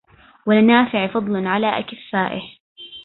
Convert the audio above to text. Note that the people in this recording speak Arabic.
ولنافع فضل على أكفائه